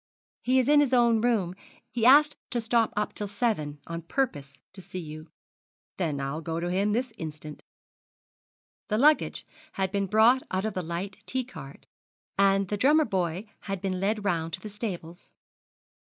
'He is in his own room. He asked to stop up till seven on purpose to see you.' 'Then I'll go to him this instant.' The luggage had been brought out of the light T cart, and the Drummer Boy had been led round to the stables.